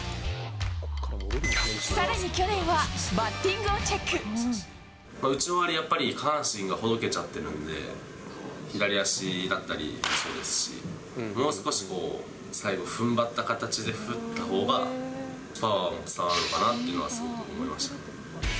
さらに去年は、バッティングをチ打ち終わり、やっぱり、下半身がほどけちゃってるんで、左足だったりもそうですし、もう少しこう、最後、ふんばった形で振ったほうが、パワーも伝わるかなとはすごく思いましたね。